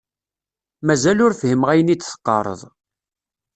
Mazal ur fhimeɣ ayen i d-teqqareḍ.